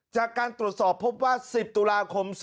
จากการตรวจสอบพบว่า๑๐ตุลาคม๒๕๖